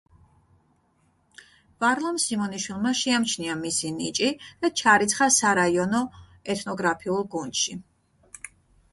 ვარლამ სიმონიშვილმა შეამჩნია მისი ნიჭი და ჩარიცხა სარაიონო ეთნოგრაფიულ გუნდში.